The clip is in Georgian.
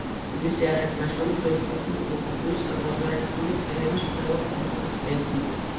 მისი არაერთი ნაშრომი ძველი ქართული კულტურის საზღვარგარეთული კერების კვლევას ეძღვნება.